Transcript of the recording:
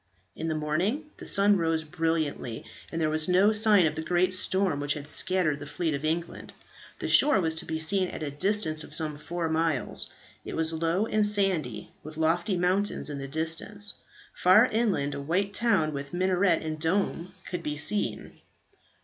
In the morning the sun rose brilliantly, and there was no sign of the great storm which had scattered the fleet of England. The shore was to be seen at a distance of some four miles, It was low and sandy, with lofty mountains in the distance. Far inland a white town with minaret and dome could be seen.